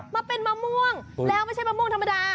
มาเป็นมะม่วงแล้วไม่ใช่มะม่วงธรรมดา